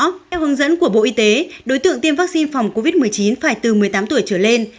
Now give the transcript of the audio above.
theo hướng dẫn của bộ y tế đối tượng tiêm vaccine phòng covid một mươi chín phải từ một mươi tám tuổi trở lên